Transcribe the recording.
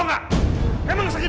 kalau suami dia bahaya gitu